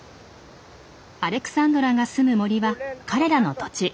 アレクサンドラがすむ森は彼らの土地。